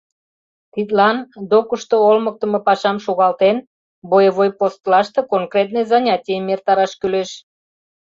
Тидлан, докышто олмыктымо пашам шогалтен, боевой постлаште конкретный занятийым эртараш кӱлеш.